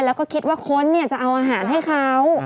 แล้วก็คิดว่าคนจะเอาอาหารให้เขา